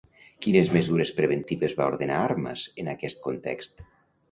Quines mesures preventives va ordenar Armas en aquest context?